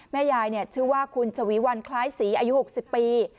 แม่ยายชื่อว่าคุณชวีวันคล้ายศรีอายุ๖๐ปี